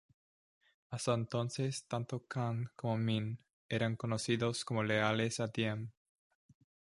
Hasta entonces tanto Khanh como Minh eran conocidos como leales a Diem.